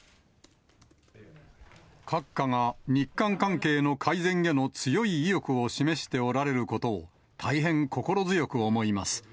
閣下が日韓関係の改善への強い意欲を示しておられることを、大変心強く思います。